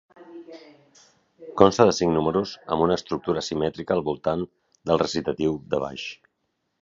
Consta de cinc números amb una estructura simètrica al voltant del recitatiu de baix.